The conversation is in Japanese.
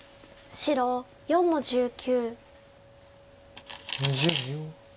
白３の十九。